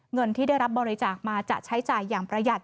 เงินที่ได้รับบริจาคมาจะใช้จ่ายอย่างประหยัด